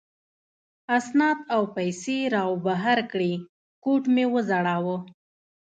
اسناد او پیسې را وبهر کړې، کوټ مې و ځړاوه.